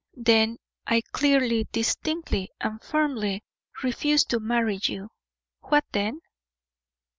"Then I clearly, distinctly, and firmly refuse to marry you. What then?"